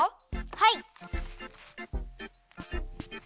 はい。